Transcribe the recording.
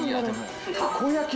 たこ焼き。